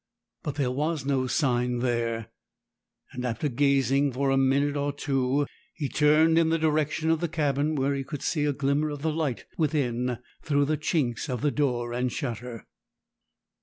But there was no sign there; and, after gazing for a minute or two, he turned in the direction of the cabin, where he could see a glimmer of the light within through the chinks of the door and shutter.